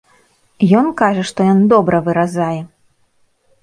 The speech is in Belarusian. Ён кажа, што ён добра выразае.